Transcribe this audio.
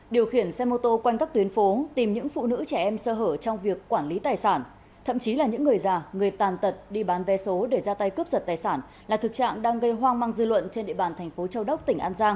điều khiển xe mô tô quanh các tuyến phố tìm những phụ nữ trẻ em sơ hở trong việc quản lý tài sản thậm chí là những người già người tàn tật đi bán vé số để ra tay cướp giật tài sản là thực trạng đang gây hoang mang dư luận trên địa bàn thành phố châu đốc tỉnh an giang